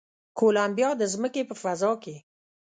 کولمبیا د ځمکې په فضا کې